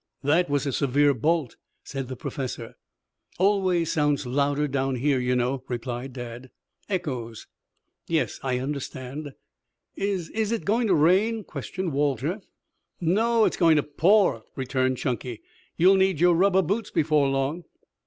"That was a severe bolt," said the Professor. "Always sounds louder down here, you know," replied Dad. "Echoes." "Yes, I understand." "Is is it going to rain?" questioned Walter. "No, it's going to pour," returned Chunky. "You'll need your rubber boots before long."